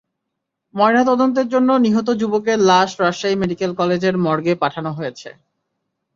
ময়নাতদন্তের জন্য নিহত যুবকের লাশ রাজশাহী মেডিকেল কলেজের মর্গে পাঠানো হয়েছে।